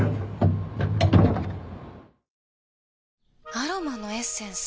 アロマのエッセンス？